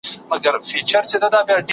زه مخکي لیکل کړي وو؟!